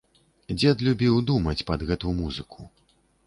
Дзед любіў думаць пад гэту музыку.